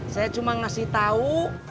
saya cuma ngasih tau